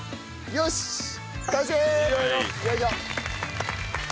よいしょ！